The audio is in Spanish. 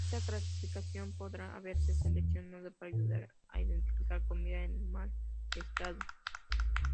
Esta clasificación podría haberse seleccionado para ayudar a identificar comida en mal estado.